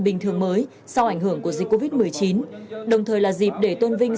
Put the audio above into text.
bình thường mới sau ảnh hưởng của dịch covid một mươi chín đồng thời là dịp để tôn vinh